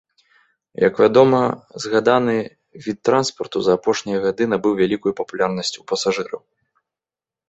Як вядома, згаданы від транспарту за апошнія гады набыў вялікую папулярнасць у пасажыраў.